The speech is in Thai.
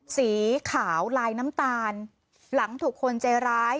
สีขาวลายน้ำตาลหลังถูกคนใจร้าย